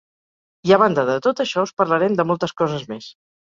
I a banda de tot això, us parlarem de moltes coses més.